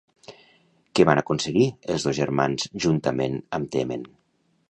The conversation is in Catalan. Què van aconseguir els dos germans juntament amb Temen?